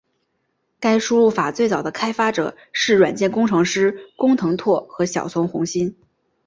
该输入法最早的开发者是软件工程师工藤拓和小松弘幸。